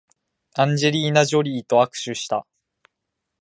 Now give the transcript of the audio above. アンジェリーナジョリーと握手した